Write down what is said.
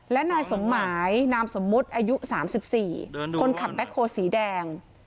และนายสมหมายนามสมมุติอายุ๓๔คนขับแบ็คโฮสีแดง